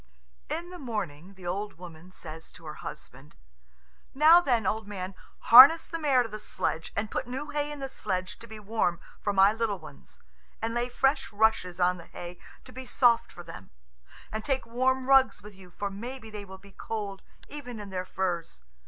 In the morning the old woman says to her husband, "Now then, old man, harness the mare to the sledge, and put new hay in the sledge to be warm for my little ones, and lay fresh rushes on the hay to be soft for them; and take warm rugs with you, for maybe they will be cold, even in their furs.